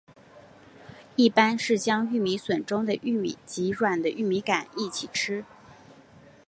一般是将玉米笋中的玉米及软的玉米秆一起吃。